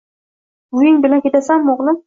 Buving bilan ketasanmi, oʻgʻlim